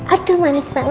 aduh manis banget